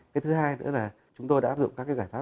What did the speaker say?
cái thứ hai nữa là chúng tôi đã áp dụng các cái giải pháp